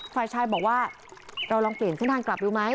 ฝ่ายชายบอกว่าเราลองเปลี่ยนเส้นทางกลับดูไหม